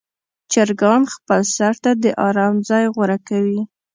چرګان خپل سر ته د آرام ځای غوره کوي.